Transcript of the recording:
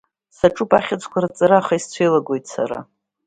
Саҿуп ахьыӡқәа рҵара, аха исцәеилагоит сара…